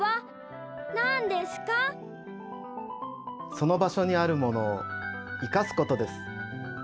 その場所にあるものを生かすことです。